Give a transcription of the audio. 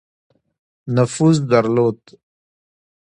نفوذ درلود.